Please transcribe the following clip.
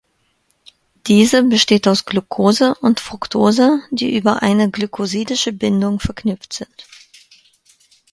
Diese besteht aus Glucose und Fructose, die über eine glycosidische Bindung verknüpft sind.